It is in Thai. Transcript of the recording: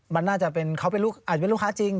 มันน่าจะเป็นเขาอาจจะเป็นลูกค้าจริง